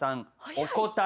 お答え